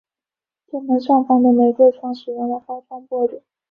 正门上方的玫瑰窗使用了花窗玻璃。